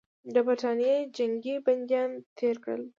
د برټانیې جنګي بندیان تېر کړل.